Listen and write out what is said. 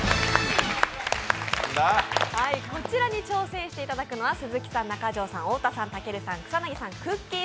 こちらに挑戦していただくのは鈴木さん、中条さん、太田さん、たけるさん、草薙さん、くっきー！